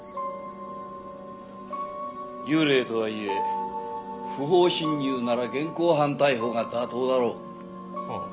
幽霊とはいえ不法侵入なら現行犯逮捕が妥当だろ。はあ。